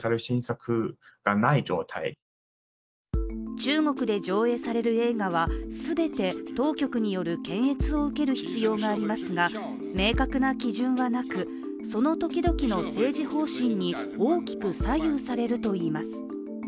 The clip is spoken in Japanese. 中国で上映される映画は全て当局による検閲を受ける必要がありますが明確な基準はなく、そのときどきの政治方針に大きく左右されるといいます。